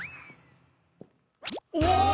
お！